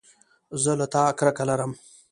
زه له تا کرکه لرم